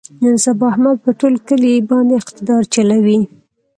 نن سبا احمد په ټول کلي باندې اقتدار چلوي.